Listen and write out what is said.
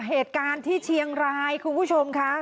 เหตุการณ์ที่เชียงรายคุณผู้ชมค่ะ